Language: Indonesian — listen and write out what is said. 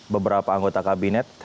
beberapa anggota kabinet